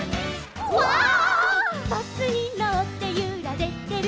「バスにのってゆられてる」